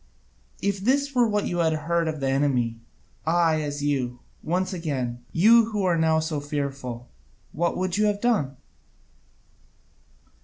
If this were what you had heard of the enemy, I as you, once again, you who are now so fearful what would you have done?